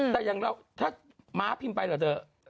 แต่อย่างเราถ้าม้าพิมพ์ไปเหรอเถอะ